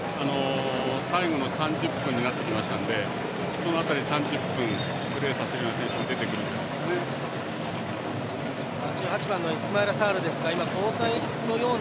最後の３０分になってきましたので３０分プレーさせる選手も出てくるんじゃないでしょうか。